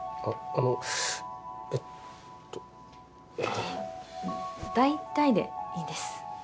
あのえっとえっ大体でいいです